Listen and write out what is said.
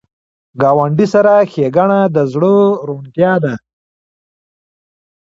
ګاونډي سره ښېګڼه د زړه روڼتیا ده